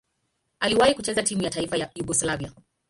Aliwahi kucheza timu ya taifa ya Yugoslavia.